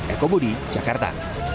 eko budi jakarta